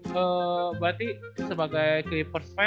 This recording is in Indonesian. berarti sebagai clippers fans